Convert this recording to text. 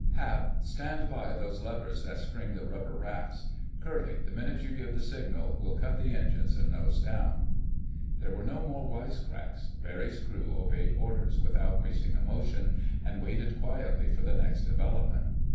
Hap, stand by those levers that spring the rubber rafts. Curly, the minute you give the signal, we'll cut the engines and nose down." There were no more wisecracks. Barry's crew obeyed orders without wasting a motion, and waited quietly for the next development.